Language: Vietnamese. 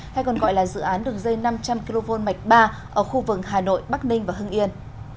hay còn gọi là dự án đường dây năm trăm linh kv mạch ba ở khu vực hà nội bắc ninh và hưng yên